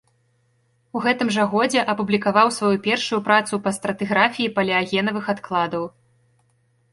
У гэтым жа годзе апублікаваў сваю першую працу па стратыграфіі палеагенавых адкладаў.